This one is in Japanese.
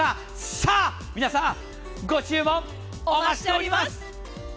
さあ、皆さんご注文お待ちしております！